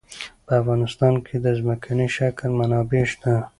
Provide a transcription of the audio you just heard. په افغانستان کې د ځمکنی شکل منابع شته.